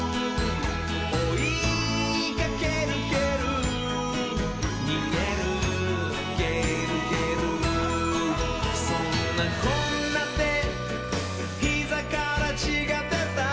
「おいかけるけるにげるげるげる」「そんなこんなでひざからちがでた」